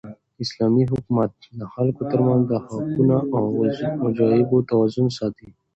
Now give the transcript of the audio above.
اسلامي حکومت د خلکو تر منځ د حقونو او وجایبو توازن ساتي.